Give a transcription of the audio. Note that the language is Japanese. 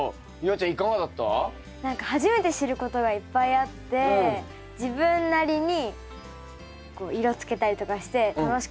何か初めて知ることがいっぱいあって自分なりにこう色つけたりとかして楽しかったなって思いました。